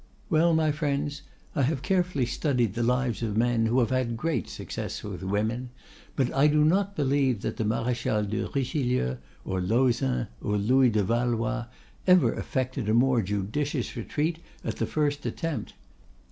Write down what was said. Well, my friends, I have carefully studied the lives of men who have had great success with women, but I do not believe that the Maréchal de Richelieu, or Lauzun, or Louis de Valois ever effected a more judicious retreat at the first attempt.